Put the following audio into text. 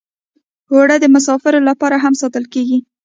اوړه د مسافرو لپاره هم ساتل کېږي